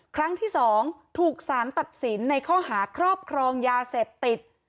ครั้งที่๒ถูกสารตัดสินในข้อหาครอบครองยาเสพติด